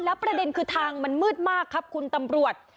ประเด็นคือทางมันมืดมากครับคุณตำรวจ